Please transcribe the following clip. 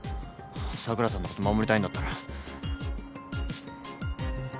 桜さんのこと守りたいんだったら。